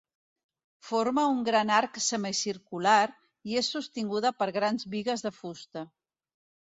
Forma un gran arc semicircular, i és sostinguda per grans bigues de fusta.